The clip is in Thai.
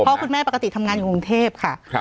เพราะคุณแม่ปกติทำงานอยู่กรุงเทพค่ะ